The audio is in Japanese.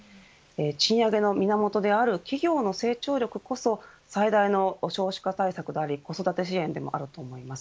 賃上げの源である企業の成長力こそ最大の少子化対策であり子育て支援でもあると思います。